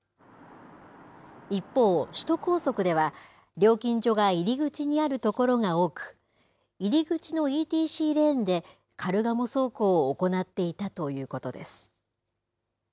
一方、首都高速では、料金所が入り口にある所が多く、入り口のＥＴＣレーンで、カルガモ走行を行っていたということです。